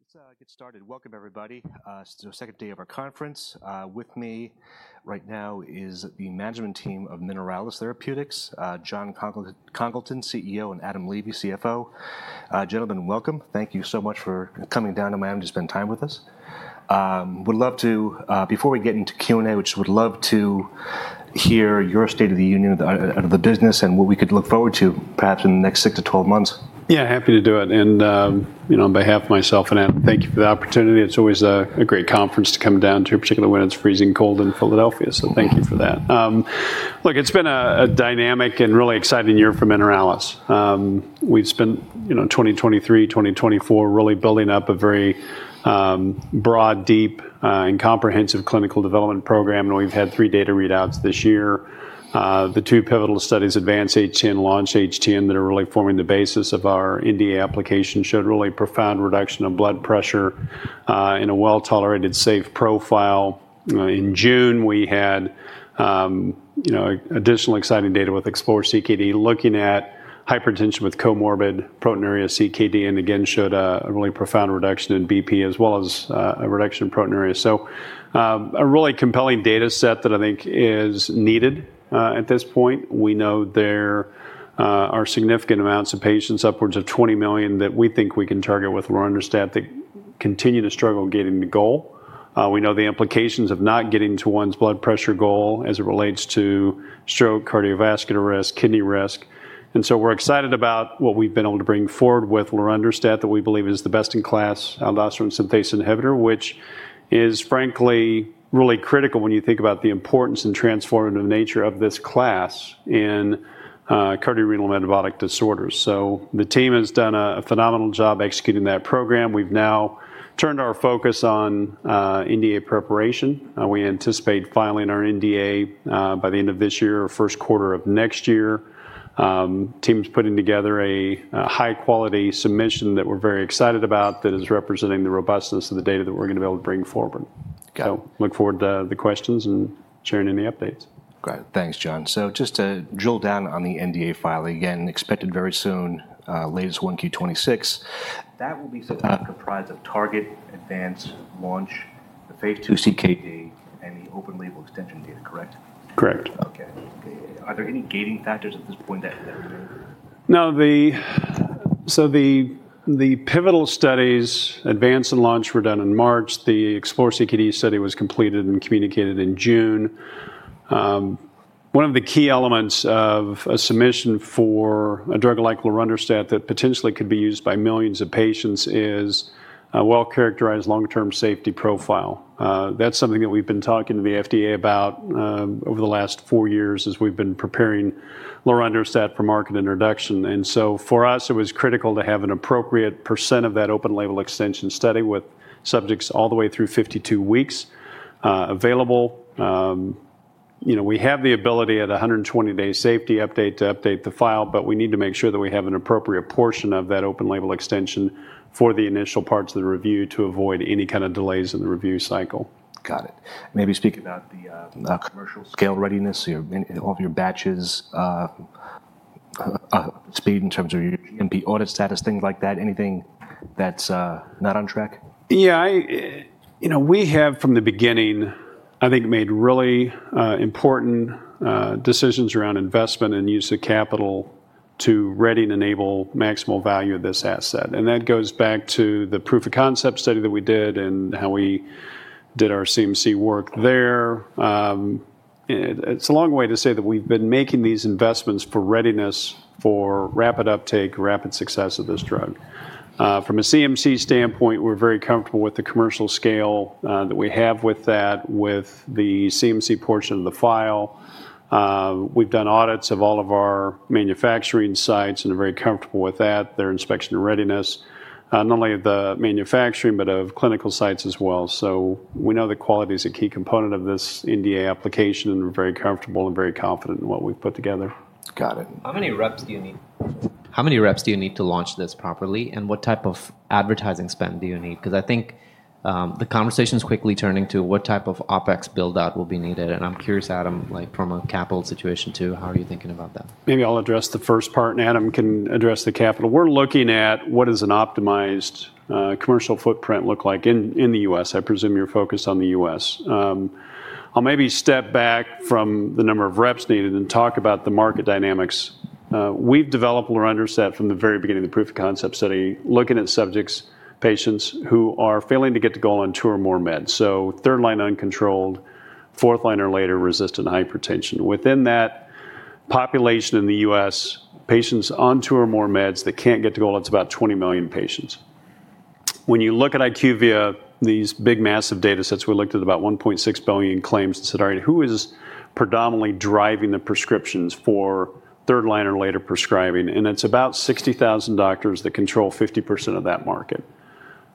Let's get started. Welcome, everybody. This is the second day of our conference. With me right now is the management team of Mineralys Therapeutics, Jon Congleton, CEO, and Adam Levy, CFO. Gentlemen, welcome. Thank you so much for coming down to Miami to spend time with us. Would love to, before we get into Q&A, would love to hear your state of the union of the business and what we could look forward to, perhaps in the next six to 12 months. Yeah, happy to do it. And on behalf of myself and Adam, thank you for the opportunity. It's always a great conference to come down to, particularly when it's freezing cold in Philadelphia. So thank you for that. Look, it's been a dynamic and really exciting year for Mineralys. We've spent 2023, 2024 really building up a very broad, deep, and comprehensive clinical development program. And we've had three data readouts this year. The two pivotal studies, Advance-HTN and Launch-HTN, that are really forming the basis of our NDA application, showed really profound reduction in blood pressure in a well-tolerated, safe profile. In June, we had additional exciting data with Explore-CKD looking at hypertension with comorbid proteinuria CKD and again showed a really profound reduction in BP, as well as a reduction in proteinuria. A really compelling data set that I think is needed at this point. We know there are significant amounts of patients, upwards of 20 million, that we think we can target with lorundrostat that continue to struggle getting to goal. We know the implications of not getting to one's blood pressure goal as it relates to stroke, cardiovascular risk, kidney risk. We're excited about what we've been able to bring forward with lorundrostat that we believe is the best in class, aldosterone synthase inhibitor, which is frankly really critical when you think about the importance and transformative nature of this class in cardiorenal metabolic disorders. The team has done a phenomenal job executing that program. We've now turned our focus on NDA preparation. We anticipate filing our NDA by the end of this year or first quarter of next year. The team is putting together a high-quality submission that we're very excited about that is representing the robustness of the data that we're going to be able to bring forward. So look forward to the questions and sharing any updates. Great. Thanks, Jon. So just to drill down on the NDA filing, again, expected very soon, latest 1Q 2026. That will include the Target, Advance, Launch, the phase II CKD, and the open label extension data, correct? Correct. OK. Are there any gating factors at this point that remain? No. The pivotal studies, Advance and Launch, were done in March. The Explore-CKD study was completed and communicated in June. One of the key elements of a submission for a drug like lorundrostat that potentially could be used by millions of patients is a well-characterized long-term safety profile. That's something that we've been talking to the FDA about over the last four years as we've been preparing the lorundrostat for market introduction. For us, it was critical to have an appropriate percent of that open label extension study with subjects all the way through 52 weeks available. We have the ability at a 120-day safety update to update the file, but we need to make sure that we have an appropriate portion of that open label extension for the initial parts of the review to avoid any kind of delays in the review cycle. Got it. Maybe speaking about the commercial scale readiness, all of your batches, speed in terms of your NDA audit status, things like that, anything that's not on track? Yeah. We have, from the beginning, I think, made really important decisions around investment and use of capital to ready and enable maximal value of this asset, and that goes back to the proof of concept study that we did and how we did our CMC work there. It's a long way to say that we've been making these investments for readiness for rapid uptake, rapid success of this drug. From a CMC standpoint, we're very comfortable with the commercial scale that we have with that, with the CMC portion of the file. We've done audits of all of our manufacturing sites and are very comfortable with that, their inspection and readiness, not only of the manufacturing, but of clinical sites as well, so we know that quality is a key component of this NDA application, and we're very comfortable and very confident in what we've put together. Got it. How many reps do you need? How many reps do you need to launch this properly? And what type of advertising spend do you need? Because I think the conversation is quickly turning to what type of OpEx build-out will be needed. And I'm curious, Adam, from a capital situation too, how are you thinking about that? Maybe I'll address the first part, and Adam can address the capital. We're looking at what does an optimized commercial footprint look like in the U.S. I presume you're focused on the U.S. I'll maybe step back from the number of reps needed and talk about the market dynamics. We've developed lorundrostat from the very beginning of the proof of concept study, looking at subjects, patients who are failing to get to goal on two or more meds, so third line uncontrolled, fourth line or later resistant hypertension. Within that population in the U.S., patients on two or more meds that can't get to goal, it's about 20 million patients. When you look at IQVIA, these big massive data sets, we looked at about 1.6 billion claims and said, all right, who is predominantly driving the prescriptions for third line or later prescribing? It's about 60,000 doctors that control 50% of that market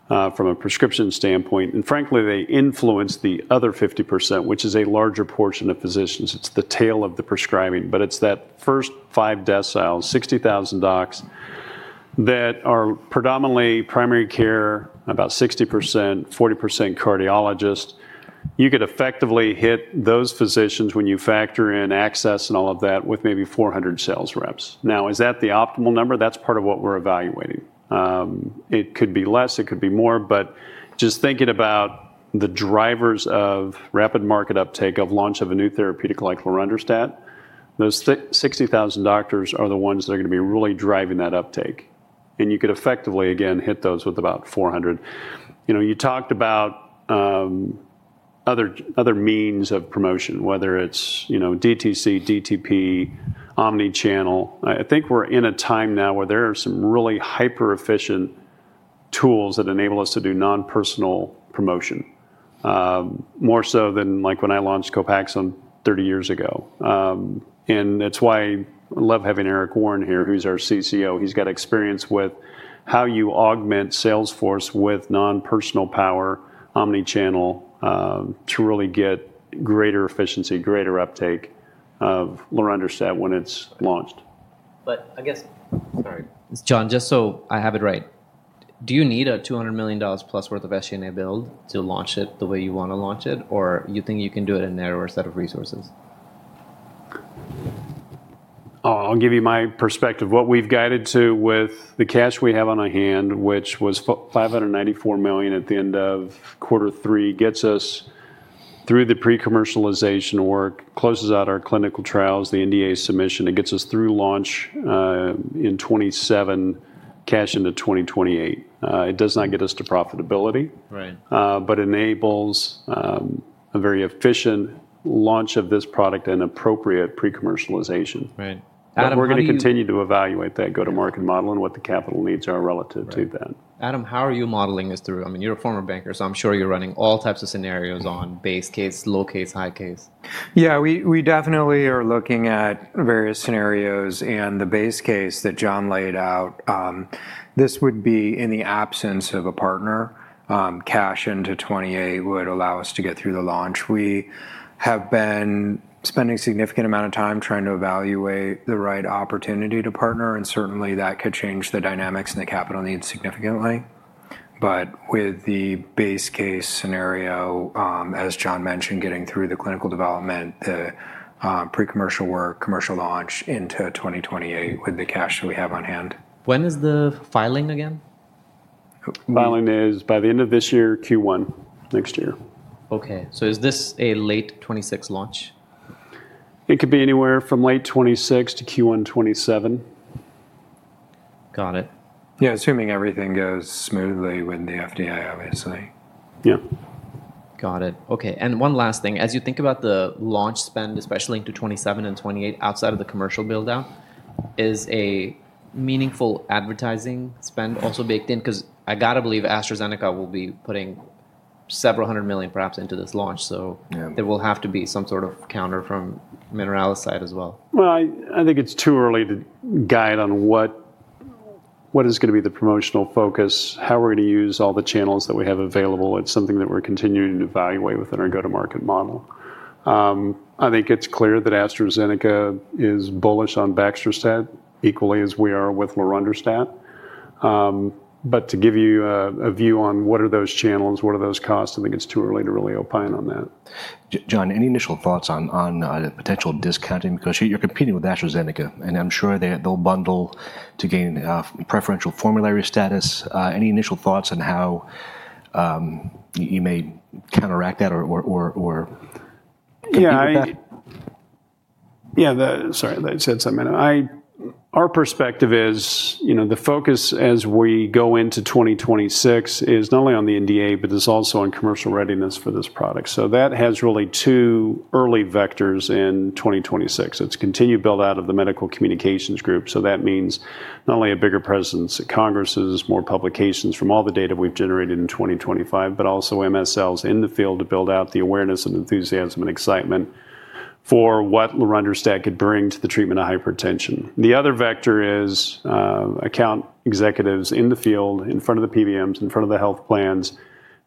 from a prescription standpoint. And frankly, they influence the other 50%, which is a larger portion of physicians. It's the tail of the prescribing, but it's that first five deciles, 60,000 docs that are predominantly primary care, about 60%, 40% cardiologists. You could effectively hit those physicians when you factor in access and all of that with maybe 400 sales reps. Now, is that the optimal number? That's part of what we're evaluating. It could be less. It could be more. But just thinking about the drivers of rapid market uptake of launch of a new therapeutic like lorundrostat, those 60,000 doctors are the ones that are going to be really driving that uptake. And you could effectively, again, hit those with about 400. You talked about other means of promotion, whether it's DTC, DTP, omnichannel. I think we're in a time now where there are some really hyper-efficient tools that enable us to do non-personal promotion, more so than when I launched COPAXONE 30 years ago. And that's why I love having Eric Warren here, who's our CCO. He's got experience with how you augment Salesforce with non-personal power, omnichannel, to really get greater efficiency, greater uptake of lorundrostat when it's launched. But I guess, sorry, Jon, just so I have it right, do you need a $200 million+ worth of SG&A build to launch it the way you want to launch it? Or you think you can do it in a narrower set of resources? I'll give you my perspective. What we've guided to with the cash we have on our hand, which was $594 million at the end of quarter three, gets us through the pre-commercialization work, closes out our clinical trials, the NDA submission. It gets us through launch in 2027, cash into 2028. It does not get us to profitability, but enables a very efficient launch of this product and appropriate pre-commercialization. We're going to continue to evaluate that go-to-market model and what the capital needs are relative to that. Adam, how are you modeling this through? I mean, you're a former banker, so I'm sure you're running all types of scenarios on base case, low case, high case. Yeah, we definitely are looking at various scenarios. And the base case that Jon laid out, this would be in the absence of a partner. Cash into 2028 would allow us to get through the launch. We have been spending a significant amount of time trying to evaluate the right opportunity to partner. And certainly, that could change the dynamics and the capital needs significantly. But with the base case scenario, as Jon mentioned, getting through the clinical development, the pre-commercial work, commercial launch into 2028 with the cash that we have on hand. When is the filing again? Filing is by the end of this year, Q1 next year. OK. So is this a late 2026 launch? It could be anywhere from late 2026 to Q1 2027. Got it. Yeah, assuming everything goes smoothly with the FDA, obviously. Yeah. Got it. OK. And one last thing. As you think about the launch spend, especially into 2027 and 2028 outside of the commercial build-out, is a meaningful advertising spend also baked in? Because I got to believe AstraZeneca will be putting several hundred million, perhaps, into this launch. So there will have to be some sort of counter from Mineralys' side as well. I think it's too early to guide on what is going to be the promotional focus, how we're going to use all the channels that we have available. It's something that we're continuing to evaluate within our go-to-market model. I think it's clear that AstraZeneca is bullish on baxdrostat equally as we are with lorundrostat. But to give you a view on what are those channels, what are those costs, I think it's too early to really opine on that. Jon, any initial thoughts on potential discounting? Because you're competing with AstraZeneca, and I'm sure they'll bundle to gain preferential formulary status. Any initial thoughts on how you may counteract that or? Yeah, sorry, that said something. Our perspective is the focus as we go into 2026 is not only on the NDA, but it's also on commercial readiness for this product. So that has really two early vectors in 2026. It's continued build-out of the medical communications group. So that means not only a bigger presence at congresses, more publications from all the data we've generated in 2025, but also MSLs in the field to build out the awareness and enthusiasm and excitement for what lorundrostat could bring to the treatment of hypertension. The other vector is account executives in the field, in front of the PBMs, in front of the health plans,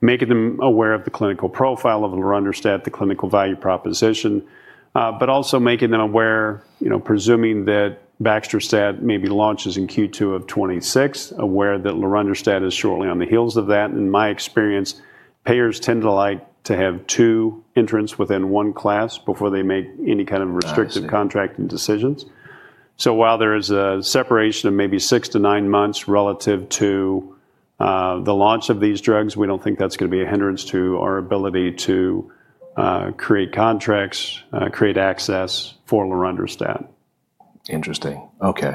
making them aware of the clinical profile of lorundrostat, the clinical value proposition, but also making them aware, presuming that baxdrostat maybe launches in Q2 of 2026, aware that lorundrostat is shortly on the heels of that. In my experience, payers tend to like to have two entrants within one class before they make any kind of restrictive contracting decisions. So while there is a separation of maybe six-to-nine months relative to the launch of these drugs, we don't think that's going to be a hindrance to our ability to create contracts, create access for lorundrostat. Interesting. OK.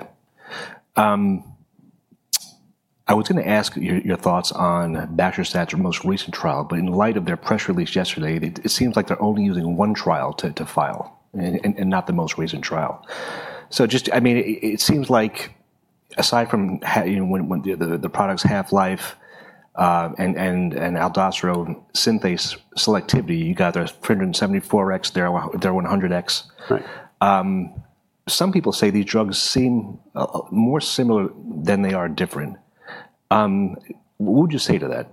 I was going to ask your thoughts on baxdrostat's most recent trial. But in light of their press release yesterday, it seems like they're only using one trial to file and not the most recent trial. So just, I mean, it seems like, aside from the product's half-life and aldosterone synthase selectivity, you got their 374x, their 100x. Some people say these drugs seem more similar than they are different. What would you say to that?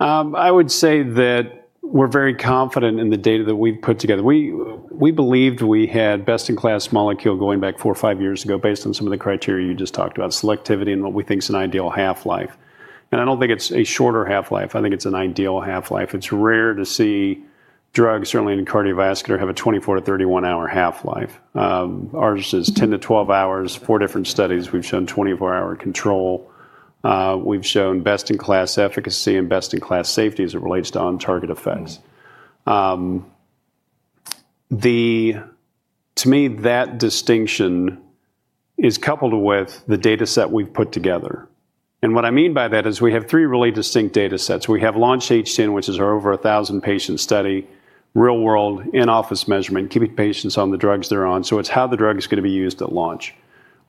I would say that we're very confident in the data that we've put together. We believed we had best-in-class molecule going back four or five years ago based on some of the criteria you just talked about, selectivity and what we think is an ideal half-life. And I don't think it's a shorter half-life. I think it's an ideal half-life. It's rare to see drugs, certainly in cardiovascular, have a 24- to 31-hour half-life. Ours is 10- to 12 hours, four different studies. We've shown 24-hour control. We've shown best-in-class efficacy and best-in-class safety as it relates to on-target effects. To me, that distinction is coupled with the data set we've put together. And what I mean by that is we have three really distinct data sets. We have Launch-HTN, which is our over 1,000-patient study, real-world in-office measurement, keeping patients on the drugs they're on. It's how the drug is going to be used at launch.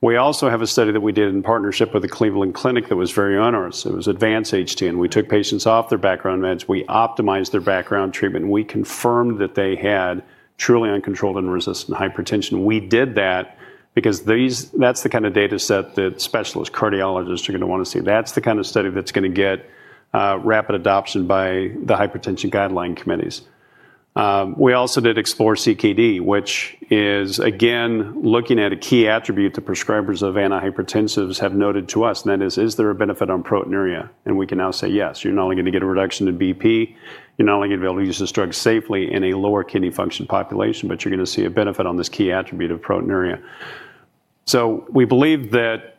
We also have a study that we did in partnership with the Cleveland Clinic that was very onerous. It was Advance-HTN. We took patients off their background meds. We optimized their background treatment. We confirmed that they had truly uncontrolled and resistant hypertension. We did that because that's the kind of data set that specialist cardiologists are going to want to see. That's the kind of study that's going to get rapid adoption by the hypertension guideline committees. We also did Explore-CKD, which is, again, looking at a key attribute that prescribers of antihypertensives have noted to us. That is, is there a benefit on proteinuria? We can now say yes. You're not only going to get a reduction in BP. You're not only going to be able to use this drug safely in a lower kidney function population, but you're going to see a benefit on this key attribute of proteinuria, so we believe that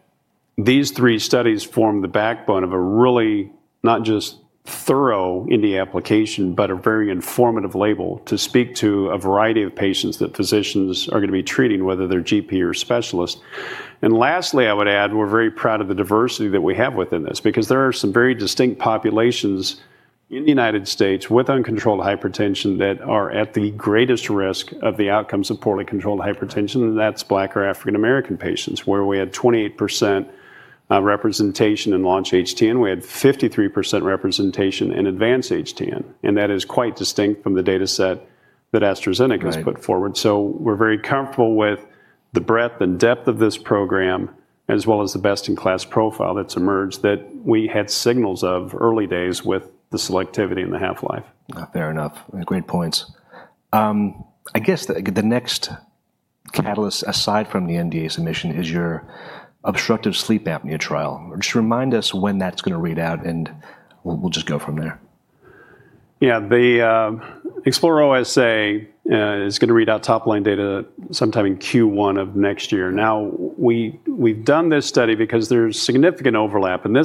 these three studies form the backbone of a really not just thorough NDA application, but a very informative label to speak to a variety of patients that physicians are going to be treating, whether they're GP or specialist, and lastly, I would add, we're very proud of the diversity that we have within this, because there are some very distinct populations in the United States with uncontrolled hypertension that are at the greatest risk of the outcomes of poorly controlled hypertension, and that's Black or African-American patients, where we had 28% representation in Launch-HTN. We had 53% representation in Advance-HTN. That is quite distinct from the data set that AstraZeneca has put forward. We're very comfortable with the breadth and depth of this program, as well as the best-in-class profile that's emerged that we had signals of early days with the selectivity and the half-life. Fair enough. Great points. I guess the next catalyst, aside from the NDA submission, is your obstructive sleep apnea trial. Just remind us when that's going to read out, and we'll just go from there. Yeah, the EXPLORE-OSA is going to read out top-line data sometime in Q1 of next year. Now, we've done this study because there's significant overlap. And I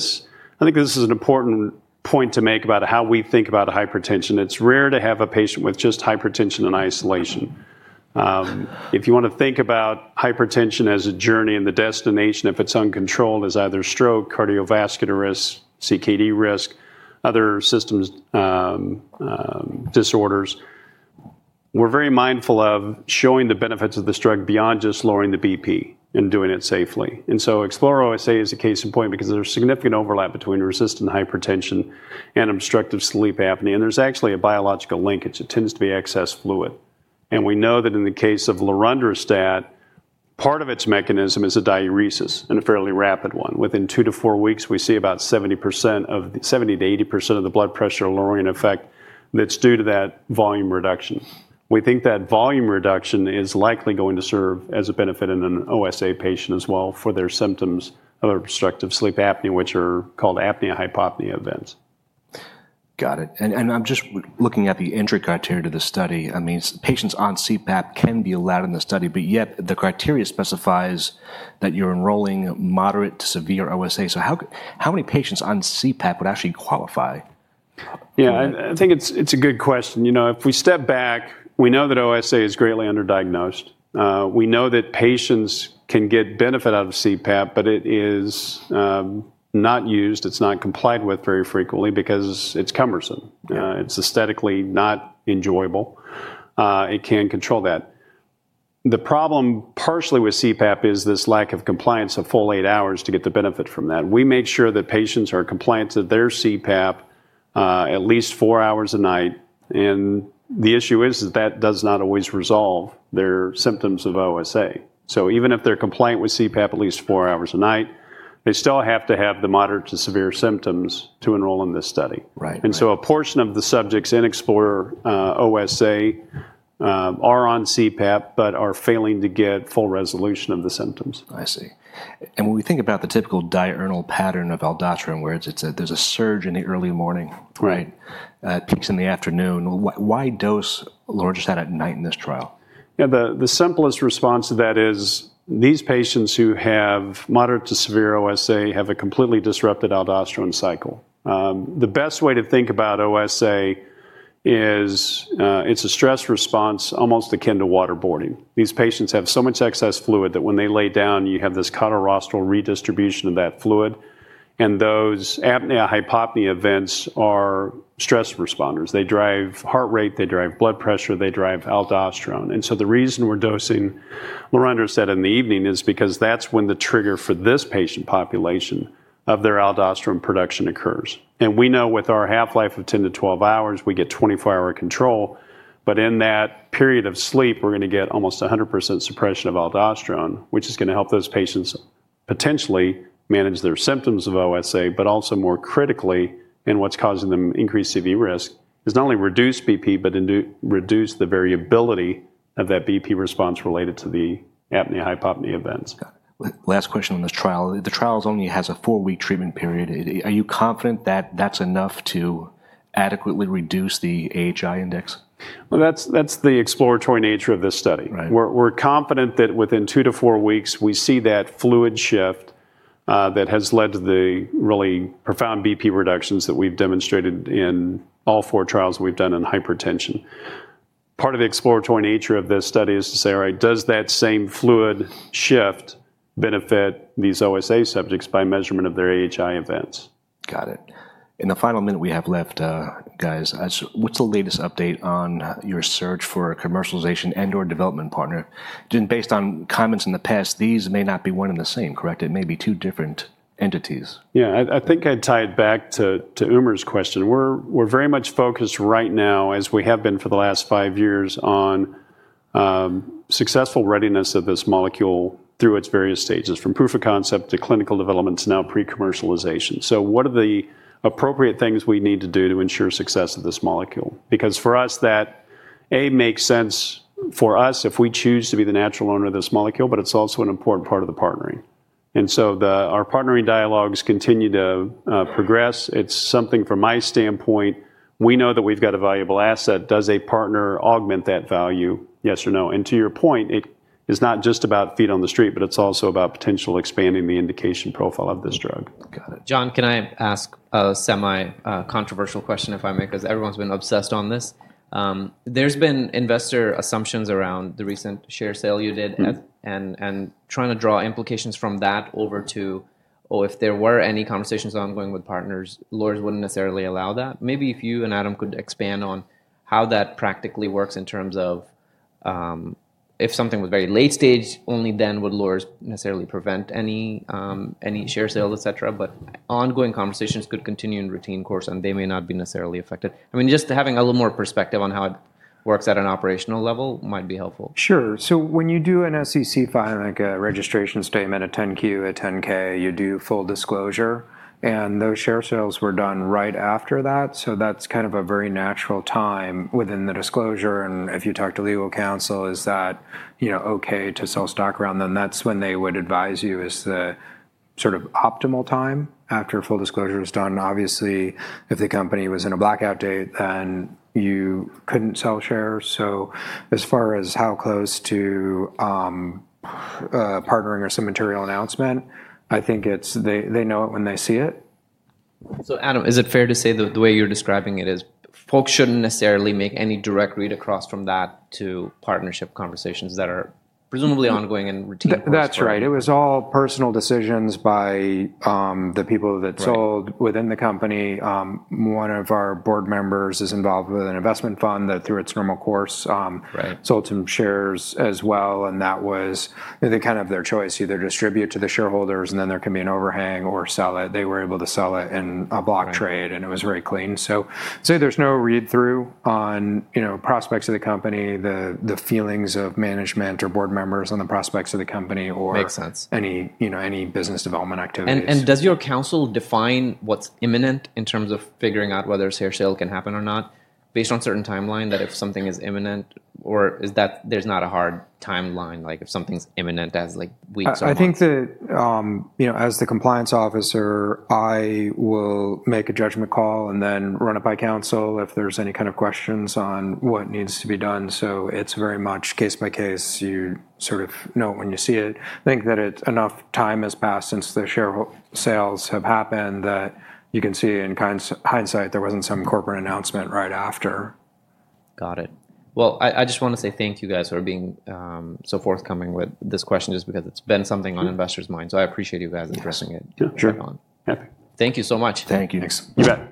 think this is an important point to make about how we think about hypertension. It's rare to have a patient with just hypertension in isolation. If you want to think about hypertension as a journey and the destination, if it's uncontrolled, it's either stroke, cardiovascular risk, CKD risk, other systems disorders. We're very mindful of showing the benefits of this drug beyond just lowering the BP and doing it safely. And so EXPLORE-OSA is a case in point because there's significant overlap between resistant hypertension and obstructive sleep apnea. And there's actually a biological linkage. It tends to be excess fluid. We know that in the case of lorundrostat, part of its mechanism is a diuresis and a fairly rapid one. Within two to four weeks, we see about 70% of the 70%-80% of the blood pressure lowering effect that's due to that volume reduction. We think that volume reduction is likely going to serve as a benefit in an OSA patient as well for their symptoms of obstructive sleep apnea, which are called apnea-hypopnea events. Got it. And I'm just looking at the entry criteria to the study. I mean, patients on CPAP can be allowed in the study. But yet, the criteria specifies that you're enrolling moderate to severe OSA. So how many patients on CPAP would actually qualify? Yeah, I think it's a good question. You know, if we step back, we know that OSA is greatly underdiagnosed. We know that patients can get benefit out of CPAP, but it is not used. It's not complied with very frequently because it's cumbersome. It's aesthetically not enjoyable. It can't control that. The problem partially with CPAP is this lack of compliance of full eight hours to get the benefit from that. We make sure that patients are compliant to their CPAP at least four hours a night. And the issue is that that does not always resolve their symptoms of OSA. So even if they're compliant with CPAP at least four hours a night, they still have to have the moderate to severe symptoms to enroll in this study. And so a portion of the subjects in EXPLORE-OSA are on CPAP, but are failing to get full resolution of the symptoms. I see. And when we think about the typical diurnal pattern of aldosterone, where there's a surge in the early morning, right? It peaks in the afternoon. Why dose lorundrostat at night in this trial? Yeah, the simplest response to that is these patients who have moderate to severe OSA have a completely disrupted aldosterone cycle. The best way to think about OSA is it's a stress response almost akin to waterboarding. These patients have so much excess fluid that when they lay down, you have this caudal-rostral redistribution of that fluid, and those apnea-hypopnea events are stress responders. They drive heart rate. They drive blood pressure. They drive aldosterone, and so the reason we're dosing lorundrostat in the evening is because that's when the trigger for this patient population of their aldosterone production occurs, and we know with our half-life of 10-12 hours, we get 24-hour control. But in that period of sleep, we're going to get almost 100% suppression of aldosterone, which is going to help those patients potentially manage their symptoms of OSA. But also, more critically, in what's causing them increased CV risk is not only reduce BP, but reduce the variability of that BP response related to the apnea-hypopnea events. Last question on this trial. The trial only has a four-week treatment period. Are you confident that that's enough to adequately reduce the AHI index? That's the exploratory nature of this study. We're confident that within two to four weeks, we see that fluid shift that has led to the really profound BP reductions that we've demonstrated in all four trials we've done in hypertension. Part of the exploratory nature of this study is to say, all right, does that same fluid shift benefit these OSA subjects by measurement of their AHI events? Got it. In the final minute we have left, guys, what's the latest update on your search for a commercialization and/or development partner? Based on comments in the past, these may not be one and the same, correct? It may be two different entities. Yeah, I think I'd tie it back to Umer's question. We're very much focused right now, as we have been for the last five years, on successful readiness of this molecule through its various stages, from proof of concept to clinical development to now pre-commercialization. So what are the appropriate things we need to do to ensure success of this molecule? Because for us, that A makes sense for us if we choose to be the natural owner of this molecule, but it's also an important part of the partnering. And so our partnering dialogues continue to progress. It's something from my standpoint, we know that we've got a valuable asset. Does a partner augment that value? Yes or no? And to your point, it is not just about feet on the street, but it's also about potentially expanding the indication profile of this drug. Got it. Jon, can I ask a semi-controversial question, if I may, because everyone's been obsessed on this? There's been investor assumptions around the recent share sale you did and trying to draw implications from that over to, oh, if there were any conversations ongoing with partners, lawyers wouldn't necessarily allow that. Maybe if you and Adam could expand on how that practically works in terms of if something was very late stage, only then would lawyers necessarily prevent any share sales, et cetera? But ongoing conversations could continue in routine course, and they may not be necessarily affected. I mean, just having a little more perspective on how it works at an operational level might be helpful. Sure. So when you do an SEC filing, like a registration statement, a 10-Q, a 10-K, you do full disclosure. And those share sales were done right after that. So that's kind of a very natural time within the disclosure. And if you talk to legal counsel, is that OK to sell stock around? Then that's when they would advise you is the sort of optimal time after full disclosure is done. Obviously, if the company was in a blackout date, then you couldn't sell shares. So as far as how close to partnering or some material announcement, I think they know it when they see it. So Adam, is it fair to say the way you're describing it is folks shouldn't necessarily make any direct read across from that to partnership conversations that are presumably ongoing and routine? That's right. It was all personal decisions by the people that sold within the company. One of our board members is involved with an investment fund that, through its normal course, sold some shares as well. And that was kind of their choice. Either distribute to the shareholders, and then there can be an overhang, or sell it. They were able to sell it in a block trade, and it was very clean. So there's no read-through on prospects of the company, the feelings of management or board members on the prospects of the company, or any business development activities. And does your counsel define what's imminent in terms of figuring out whether a share sale can happen or not based on a certain timeline that if something is imminent? Or is that there's not a hard timeline, like if something's imminent as weeks or months? I think that as the compliance officer, I will make a judgment call and then run it by counsel if there's any kind of questions on what needs to be done. So it's very much case by case. You sort of know it when you see it. I think that enough time has passed since the share sales have happened that you can see in hindsight there wasn't some corporate announcement right after. Got it. Well, I just want to say thank you guys for being so forthcoming with this question just because it's been something on investors' minds. So I appreciate you guys addressing it. Sure. Thank you so much. Thank you. Thanks.